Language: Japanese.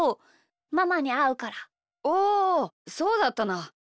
おおそうだったな。